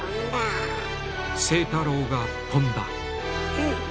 清太郎が飛んだ。